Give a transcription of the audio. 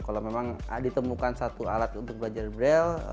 kalau memang ditemukan satu alat untuk belajar braille